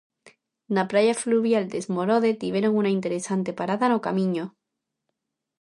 Na praia fluvial de Esmorode tiveron unha interesante parada no camiño.